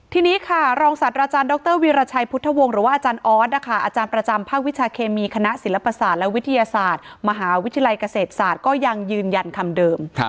ทีนี้ค่ะรองศาสตราจารย์ดรวีรชัยพุทธวงศ์หรือว่าอาจารย์ออสอาจารย์ประจำภาควิชาเคมีคณะศิลปศาสตร์และวิทยาศาสตร์มหาวิทยาลัยเกษตรศาสตร์ก็ยังยืนยันคำเดิม